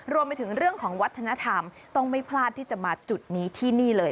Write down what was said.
รวมไปถึงเรื่องของวัฒนธรรมต้องไม่พลาดที่จะมาจุดนี้ที่นี่เลย